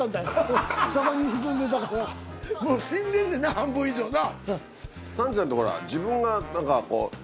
半分以上な。